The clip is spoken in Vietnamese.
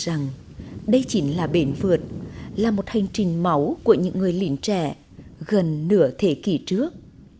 tôi rằng đây chính là bền vượt là một hành trình máu của những người lịnh trẻ gần nửa thế kỷ trước